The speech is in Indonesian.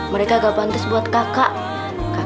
mereka tidak pantas untuk kakak